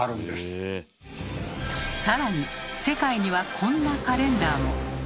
さらに世界にはこんなカレンダーも。